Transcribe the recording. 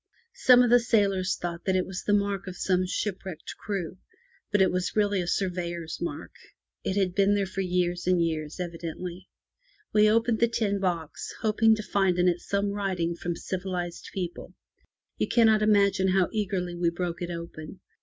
Some of the sailors thought that it was the mark of some shipwrecked crew, but it was really a sur veyor's mark. It had been there for years and years evidently. 272 FROM THE TOWER WINDOW We opened the tin box, hoping to find in it some writing from civilized people. You cannot imagine how eagerly we broke it open.